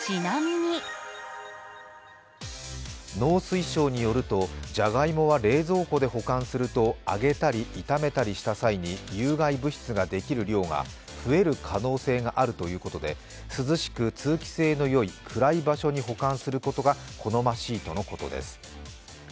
農水省によるとじゃがいもは冷蔵庫で保管すると揚げたり、いためたりした際に有害物質ができる量が増える可能性があるということで涼しく、通気性のよい暗い場所に保管することが好ましいとのことです。